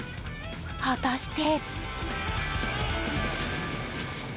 果たして。